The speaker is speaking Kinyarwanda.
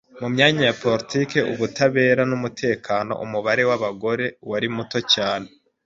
Mu myanya ya poritiki ubutabera n’umutekano umubare w’abagore wari muto cyane